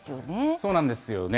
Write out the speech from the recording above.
そうなんですよね。